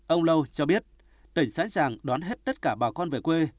ông lâu cho biết tỉnh sẵn sàng đón hết tất cả bà con về quê